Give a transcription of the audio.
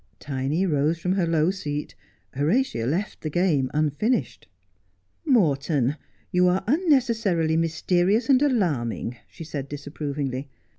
Tiny rose from her low seat. Horatia left the game unfinished. ' Moi ton, you are unnecessarily mysterious and alarming,' she said disapprovingly.